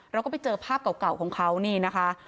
เราก็ไปเจอภาพเก่าของเขานี่นะคะ